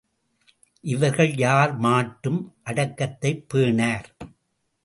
இவர்கள் யார் மாட்டும் அடக்கத்தைப் பேணார்.